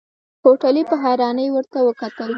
هوټلي په حيرانۍ ورته وکتل.